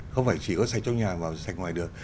không phải chỉ có sạch trong nhà mà sạch ngoài được